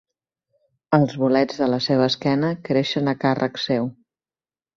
Els bolets de la seva esquena creixen a càrrec seu.